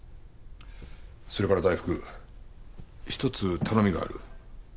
それから大福一つ頼みがある。